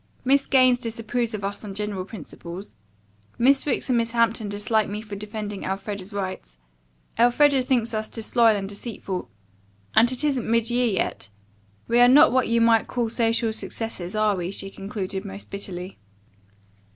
Miss Gaines disapproves of us on general principles. Miss Wicks and Miss Hampton dislike me for defending Elfreda's rights. Elfreda thinks us disloyal and deceitful. And it isn't mid year yet. We are not what you might call social successes, are we?" she concluded most bitterly.